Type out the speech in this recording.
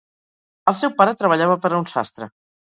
El seu pare treballava per a un sastre.